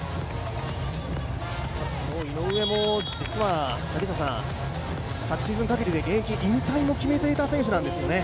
井上も実は、昨シーズンかぎりで現役の引退を決めていた選手なんですよね。